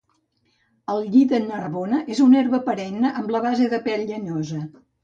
El lli de Narbona és una herba perenne amb la base un pèl llenyosa